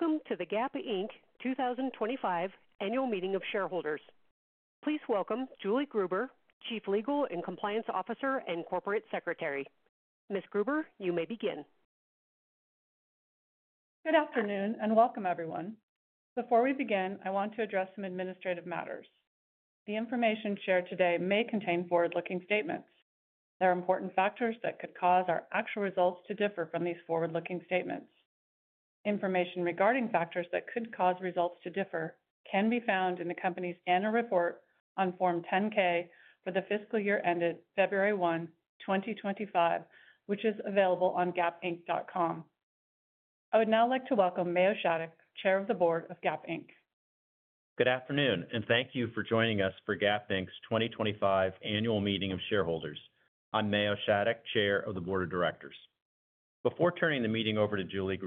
Welcome to the Gap Inc. 2025 Annual Meeting of Shareholders. Please welcome Julie Gruber, Chief Legal and Compliance Officer and Corporate Secretary. Ms. Gruber, you may begin. Good afternoon and welcome, everyone. Before we begin, I want to address some administrative matters. The information shared today may contain forward-looking statements. There are important factors that could cause our actual results to differ from these forward-looking statements. Information regarding factors that could cause results to differ can be found in the company's annual report on Form 10-K for the fiscal year ended February 1, 2025, which is available on gapinc.com. I would now like to welcome Mayo Shattuck, Chair of the Board of Gap Inc. Good afternoon, and thank you for joining us for Gap Inc.'s 2025 Annual Meeting of Shareholders. I'm Mayo Shattuck, Chair of the Board of Directors. Before turning the meeting over to Julie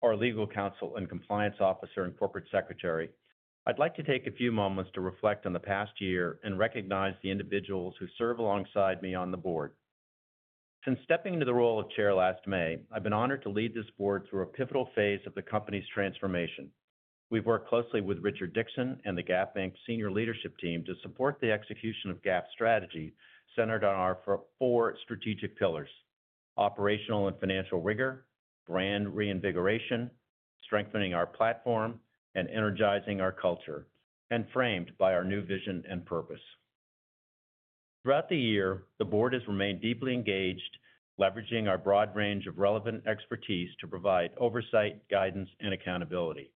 Gruber, our Legal Counsel and Compliance Officer and Corporate Secretary, I'd like to take a few moments to reflect on the past year and recognize the individuals who serve alongside me on the board. Since stepping into the role of Chair last May, I've been honored to lead this board through a pivotal phase of the company's transformation. We've worked closely with Richard Dickson and the Gap Inc. Senior Leadership Team to support the execution of Gap's strategy centered on our four strategic pillars: operational and financial rigor, brand reinvigoration, strengthening our platform, and energizing our culture, and framed by our new vision and purpose. Throughout the year, the board has remained deeply engaged, leveraging our broad range of relevant expertise to provide oversight, guidance, and accountability.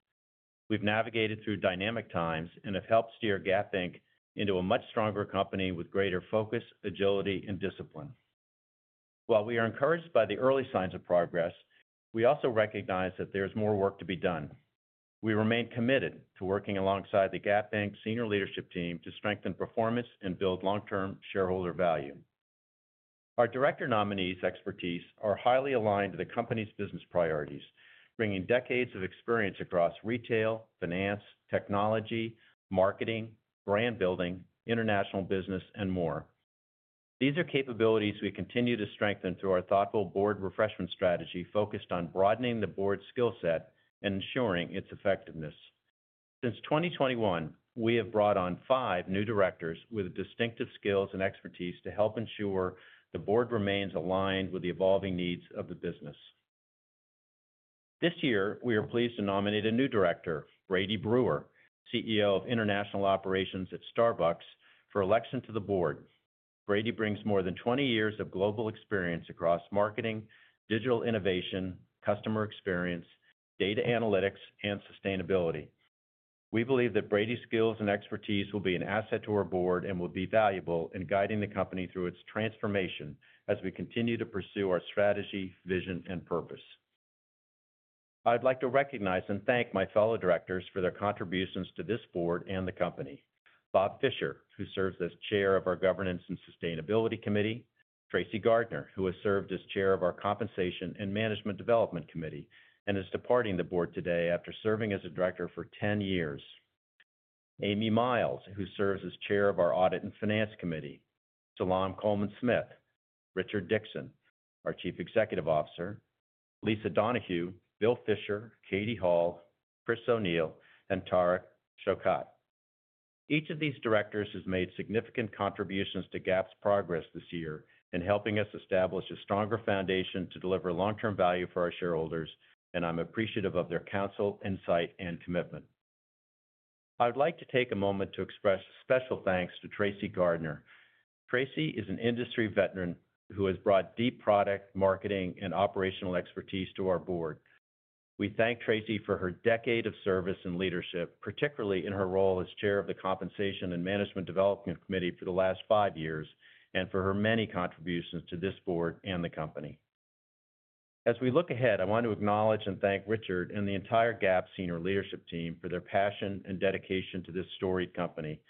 We've navigated through dynamic times and have helped steer Gap Inc. into a much stronger company with greater focus, agility, and discipline. While we are encouraged by the early signs of progress, we also recognize that there is more work to be done. We remain committed to working alongside the Gap Inc. Senior Leadership Team to strengthen performance and build long-term shareholder value. Our Director Nominees' expertise is highly aligned with the company's business priorities, bringing decades of experience across retail, finance, technology, marketing, brand building, international business, and more. These are capabilities we continue to strengthen through our thoughtful board refreshment strategy focused on broadening the board's skill set and ensuring its effectiveness. Since 2021, we have brought on five new directors with distinctive skills and expertise to help ensure the board remains aligned with the evolving needs of the business. This year, we are pleased to nominate a new director, Brady Brewer, CEO of International Operations at Starbucks, for election to the board. Brady brings more than 20 years of global experience across marketing, digital innovation, customer experience, data analytics, and sustainability. We believe that Brady's skills and expertise will be an asset to our board and will be valuable in guiding the company through its transformation as we continue to pursue our strategy, vision, and purpose. I'd like to recognize and thank my fellow directors for their contributions to this board and the company: Bob Fisher, who serves as Chair of our Governance and Sustainability Committee; Tracy Gardner, who has served as Chair of our Compensation and Management Development Committee and is departing the board today after serving as a director for 10 years; Amy Miles, who serves as Chair of our Audit and Finance Committee; Shalon Coleman Smith; Richard Dickson, our Chief Executive Officer; Lisa Donohue; Bill Fisher; Katie Hall; Chris O'Neill; and Tarek Shokhat. Each of these directors has made significant contributions to Gap's progress this year in helping us establish a stronger foundation to deliver long-term value for our shareholders, and I'm appreciative of their counsel, insight, and commitment. I would like to take a moment to express special thanks to Tracy Gardner. Tracy is an industry veteran who has brought deep product marketing and operational expertise to our board. We thank Tracy for her decade of service and leadership, particularly in her role as Chair of the Compensation and Management Development Committee for the last five years and for her many contributions to this board and the company. As we look ahead, I want to acknowledge and thank Richard and the entire Gap Senior Leadership Team for their passion and dedication to this storied company.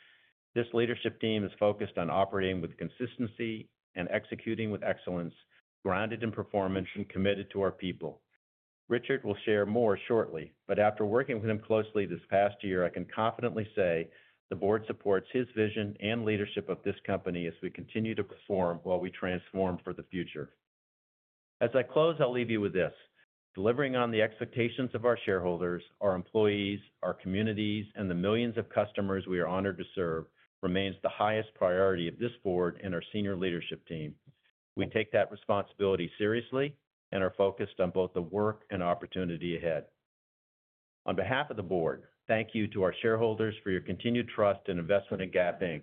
This leadership team is focused on operating with consistency and executing with excellence, grounded in performance and committed to our people. Richard will share more shortly, but after working with him closely this past year, I can confidently say the board supports his vision and leadership of this company as we continue to perform while we transform for the future. As I close, I'll leave you with this: delivering on the expectations of our shareholders, our employees, our communities, and the millions of customers we are honored to serve remains the highest priority of this board and our senior leadership team. We take that responsibility seriously and are focused on both the work and opportunity ahead. On behalf of the board, thank you to our shareholders for your continued trust and investment in Gap Inc.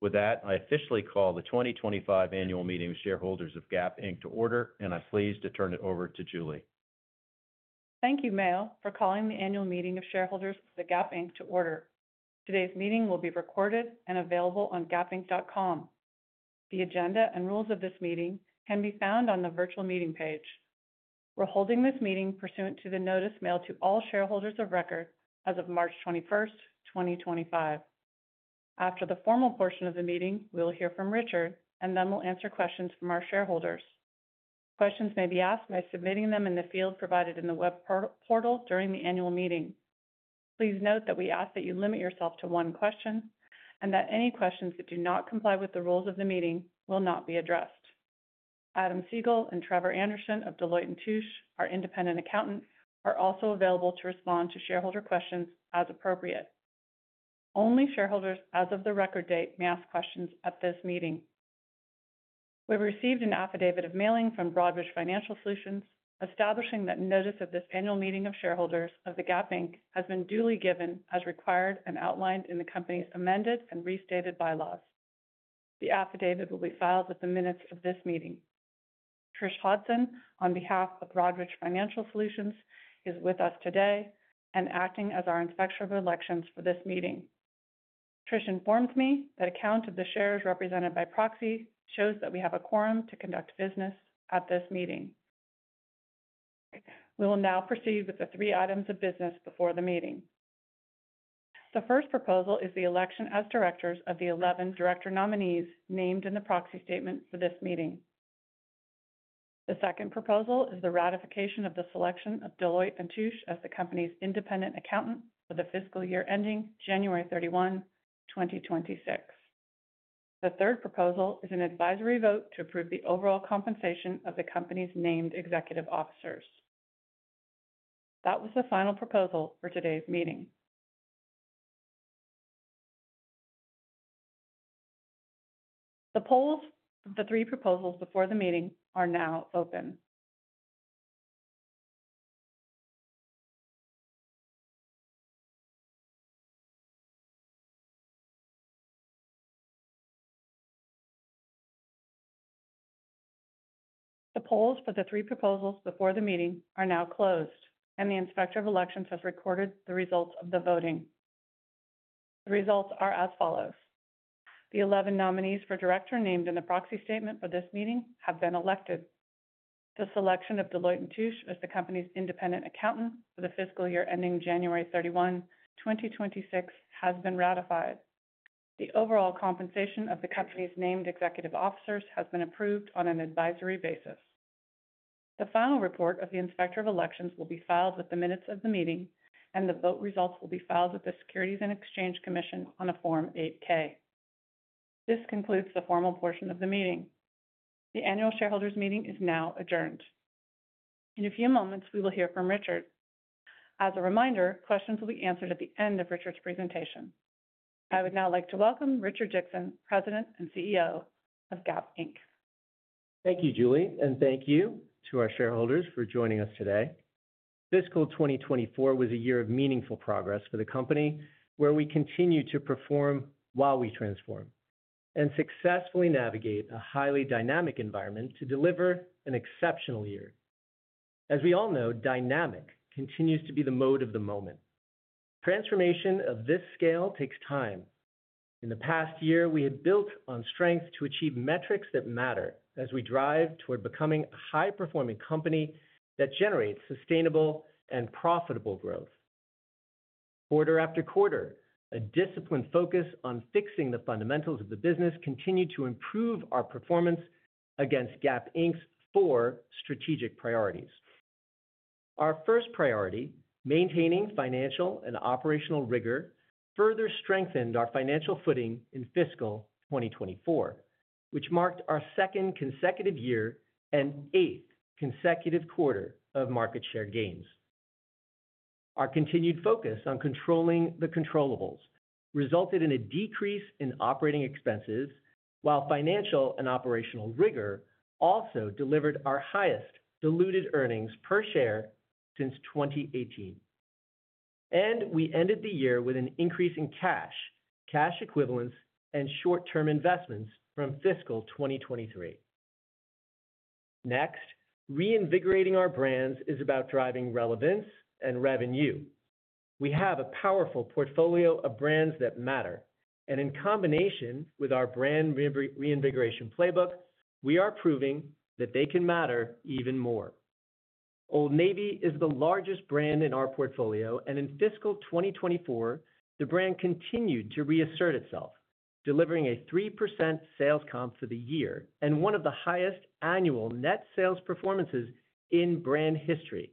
With that, I officially call the 2025 Annual Meeting of Shareholders of Gap Inc. to order, and I'm pleased to turn it over to Julie. Thank you, Mayo, for calling the Annual Meeting of Shareholders of Gap Inc. to order. Today's meeting will be recorded and available on gapinc.com. The agenda and rules of this meeting can be found on the virtual meeting page. We're holding this meeting pursuant to the notice mailed to all shareholders of record as of March 21, 2025. After the formal portion of the meeting, we will hear from Richard, and then we'll answer questions from our shareholders. Questions may be asked by submitting them in the field provided in the web portal during the annual meeting. Please note that we ask that you limit yourself to one question and that any questions that do not comply with the rules of the meeting will not be addressed. Adam Siegel and Trevor Anderson of Deloitte & Touche, our independent accountant, are also available to respond to shareholder questions as appropriate. Only shareholders as of the record date may ask questions at this meeting. We've received an affidavit of mailing from Broadridge Financial Solutions establishing that notice of this annual meeting of shareholders of Gap Inc. has been duly given as required and outlined in the company's amended and restated bylaws. The affidavit will be filed with the minutes of this meeting. Trish Hudson, on behalf of Broadridge Financial Solutions, is with us today and acting as our inspector of elections for this meeting. Trish informed me that a count of the shares represented by proxy shows that we have a quorum to conduct business at this meeting. We will now proceed with the three items of business before the meeting. The first proposal is the election as directors of the 11 director nominees named in the proxy statement for this meeting. The second proposal is the ratification of the selection of Deloitte & Touche as the company's independent accountant for the fiscal year ending January 31, 2026. The third proposal is an advisory vote to approve the overall compensation of the company's named executive officers. That was the final proposal for today's meeting. The polls of the three proposals before the meeting are now open. The polls for the three proposals before the meeting are now closed, and the inspector of elections has recorded the results of the voting. The results are as follows: the 11 nominees for director named in the proxy statement for this meeting have been elected. The selection of Deloitte & Touche as the company's independent accountant for the fiscal year ending January 31, 2026, has been ratified. The overall compensation of the company's named executive officers has been approved on an advisory basis. The final report of the inspector of elections will be filed with the minutes of the meeting, and the vote results will be filed with the Securities and Exchange Commission on a Form 8-K. This concludes the formal portion of the meeting. The annual shareholders' meeting is now adjourned. In a few moments, we will hear from Richard. As a reminder, questions will be answered at the end of Richard's presentation. I would now like to welcome Richard Dickson, President and CEO of Gap Inc. Thank you, Julie, and thank you to our shareholders for joining us today. Fiscal 2024 was a year of meaningful progress for the company, where we continue to perform while we transform and successfully navigate a highly dynamic environment to deliver an exceptional year. As we all know, dynamic continues to be the mode of the moment. Transformation of this scale takes time. In the past year, we have built on strength to achieve metrics that matter as we drive toward becoming a high-performing company that generates sustainable and profitable growth. Quarter after quarter, a disciplined focus on fixing the fundamentals of the business continued to improve our performance against Gap Inc.'s four strategic priorities. Our first priority, maintaining financial and operational rigor, further strengthened our financial footing in fiscal 2024, which marked our second consecutive year and eighth consecutive quarter of market share gains. Our continued focus on controlling the controllable resulted in a decrease in operating expenses, while financial and operational rigor also delivered our highest diluted earnings per share since 2018. We ended the year with an increase in cash, cash equivalents, and short-term investments from fiscal 2023. Next, reinvigorating our brands is about driving relevance and revenue. We have a powerful portfolio of brands that matter, and in combination with our brand reinvigoration playbook, we are proving that they can matter even more. Old Navy is the largest brand in our portfolio, and in fiscal 2024, the brand continued to reassert itself, delivering a 3% sales comp for the year and one of the highest annual net sales performances in brand history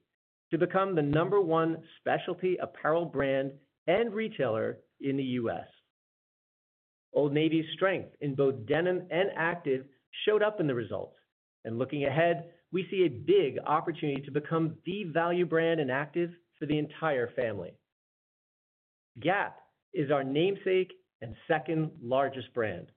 to become the number one specialty apparel brand and retailer in the U.S. Old Navy's strength in both denim and active showed up in the results, and looking ahead, we see a big opportunity to become the value brand in active for the entire family. Gap is our namesake and second largest brand.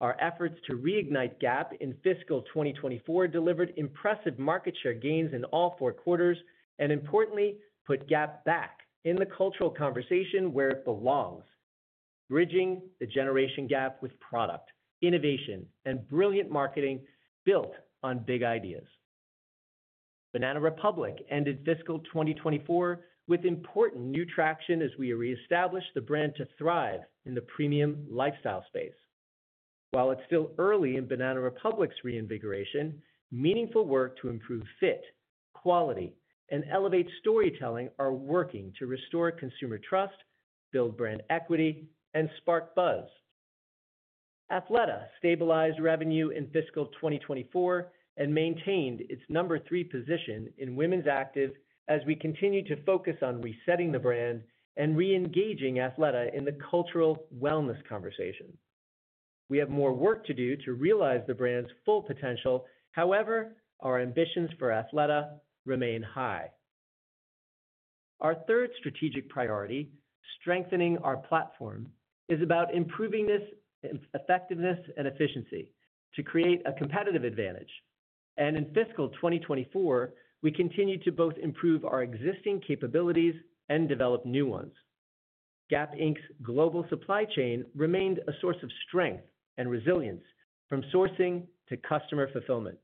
Our efforts to reignite Gap in fiscal 2024 delivered impressive market share gains in all four quarters and, importantly, put Gap back in the cultural conversation where it belongs, bridging the generation gap with product, innovation, and brilliant marketing built on big ideas. Banana Republic ended fiscal 2024 with important new traction as we reestablished the brand to thrive in the premium lifestyle space. While it is still early in Banana Republic's reinvigoration, meaningful work to improve fit, quality, and elevate storytelling is working to restore consumer trust, build brand equity, and spark buzz. Athleta stabilized revenue in fiscal 2024 and maintained its number three position in women's active as we continue to focus on resetting the brand and reengaging Athleta in the cultural wellness conversation. We have more work to do to realize the brand's full potential; however, our ambitions for Athleta remain high. Our third strategic priority, strengthening our platform, is about improving this effectiveness and efficiency to create a competitive advantage. In fiscal 2024, we continue to both improve our existing capabilities and develop new ones. Gap Inc.'s global supply chain remained a source of strength and resilience from sourcing to customer fulfillment.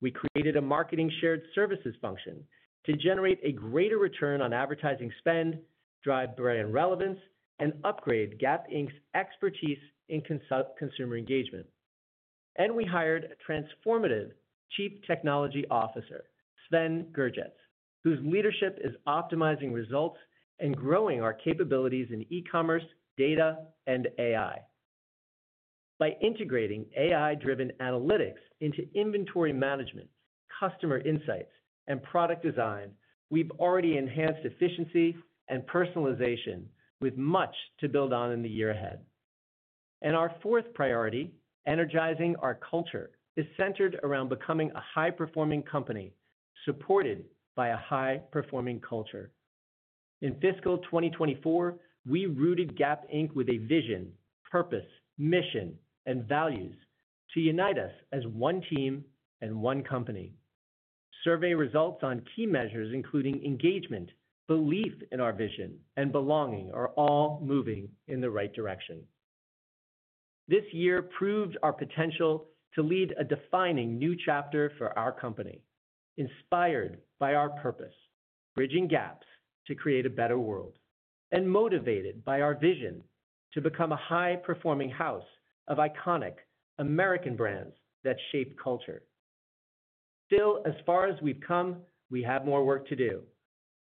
We created a marketing shared services function to generate a greater return on advertising spend, drive brand relevance, and upgrade Gap Inc.'s expertise in consumer engagement. We hired a transformative Chief Technology Officer, Sven Gurgetz, whose leadership is optimizing results and growing our capabilities in e-commerce, data, and AI. By integrating AI-driven analytics into inventory management, customer insights, and product design, we've already enhanced efficiency and personalization with much to build on in the year ahead. Our fourth priority, energizing our culture, is centered around becoming a high-performing company supported by a high-performing culture. In fiscal 2024, we rooted Gap Inc. with a vision, purpose, mission, and values to unite us as one team and one company. Survey results on key measures, including engagement, belief in our vision, and belonging, are all moving in the right direction. This year proved our potential to lead a defining new chapter for our company, inspired by our purpose, bridging gaps to create a better world, and motivated by our vision to become a high-performing house of iconic American brands that shape culture. Still, as far as we've come, we have more work to do.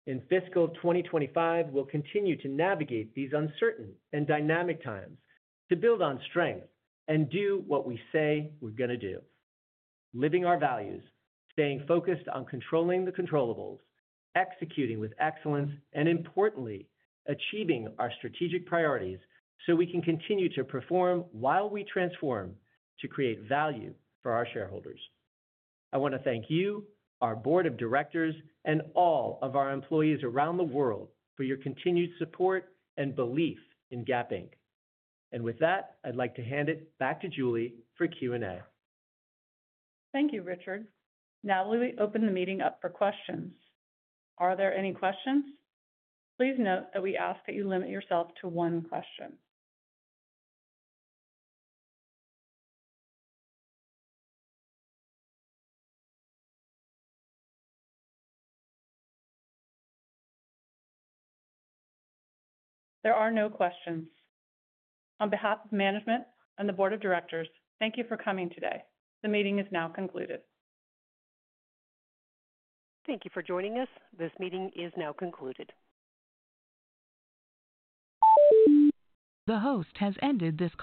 In fiscal 2025, we'll continue to navigate these uncertain and dynamic times to build on strength and do what we say we're going to do: living our values, staying focused on controlling the controllables, executing with excellence, and, importantly, achieving our strategic priorities so we can continue to perform while we transform to create value for our shareholders. I want to thank you, our board of directors, and all of our employees around the world for your continued support and belief in Gap Inc. With that, I'd like to hand it back to Julie for Q&A. Thank you, Richard. Now we will open the meeting up for questions. Are there any questions? Please note that we ask that you limit yourself to one question. There are no questions. On behalf of management and the board of directors, thank you for coming today. The meeting is now concluded. Thank you for joining us. This meeting is now concluded. The host has ended this.